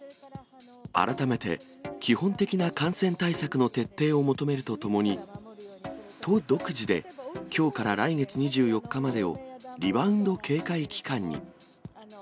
改めて基本的な感染対策の徹底を求めるとともに、都独自できょうから来月２４日までをリバウンド警戒期間に。